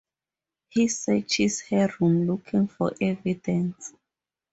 He searches her room looking for evidence.